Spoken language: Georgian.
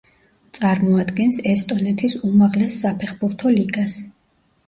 წარმოადგენს ესტონეთის უმაღლეს საფეხბურთო ლიგას.